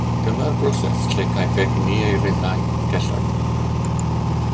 Dyma'r broses lle caiff egni ei ryddhau yn y celloedd